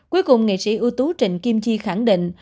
cuối cùng nghệ sĩ ưu tú trịnh kim chi khẳng định